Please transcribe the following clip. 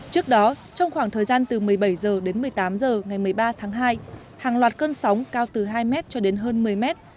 trước đó trong khoảng thời gian từ một mươi bảy h đến một mươi tám h ngày một mươi ba tháng hai hàng loạt cơn sóng cao từ hai m cho đến hơn một mươi mét